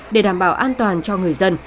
để đảm bảo an toàn cho người dân